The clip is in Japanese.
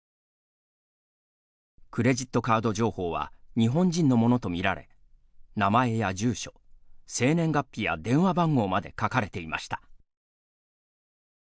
クレジットカード情報は日本人のものとみられ名前や住所、生年月日や電話番号まで書かれていました。